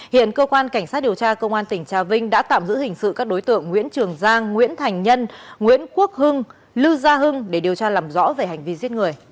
hiện cơ quan cảnh sát điều tra công an tỉnh trà vinh đã tạm giữ hình sự các đối tượng nguyễn trường giang nguyễn thành nhân nguyễn quốc hưng lưu gia hưng để điều tra làm rõ về hành vi giết người